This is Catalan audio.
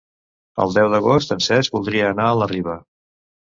El deu d'agost en Cesc voldria anar a la Riba.